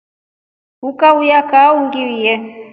Ukaulya kaa ungie.